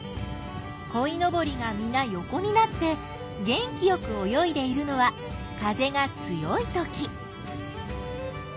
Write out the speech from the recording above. こいのぼりがみな横になって元気よく泳いでいるのは風が強いとき。